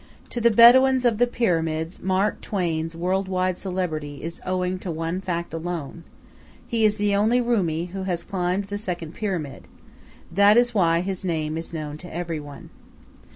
To the Bedouins of the Pyramids Mark Twain's world wide celebrity is owing to one fact alone: he is the only Roumi who has climbed the second Pyramid. That is why his name is known to every one.